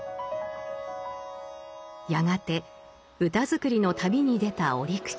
やがて歌作りの旅に出た折口。